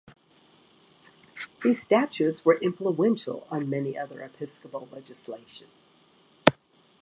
These statutes were influential on many other episcopal legislation.